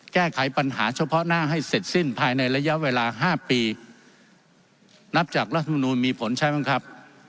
แก้ไขปัญหาเฉพาะหน้าให้เสร็จสิ้นภายในระยะเวลา๕ปีนับจากรัฐมนูลมีผลใช้บ้างครับ